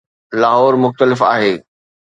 لاهور مختلف آهي.